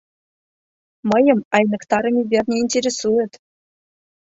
— Мыйым айныктарыме вер не интересует!